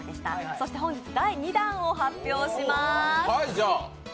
そして本日、第２弾を発表します。